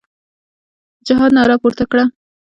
د جهاد ناره پورته کړه.